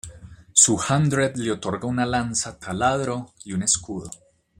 Su hundred le otorga una lanza- taladro y un escudo.